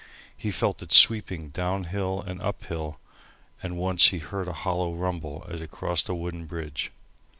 He felt it sweeping down hill and up hill, and once he heard a hollow rumble as it crossed a wooden bridge.